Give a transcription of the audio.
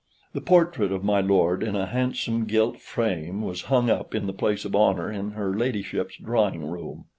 The portrait of my lord, in a handsome gilt frame, was hung up in the place of honor in her ladyship's drawing room.